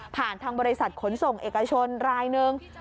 ทางบริษัทขนส่งเอกชนรายหนึ่ง